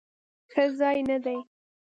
ښه ځای نه دی؟